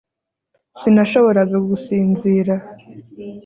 Sinashoboraga gusinzira